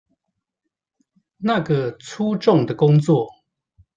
那個粗重的工作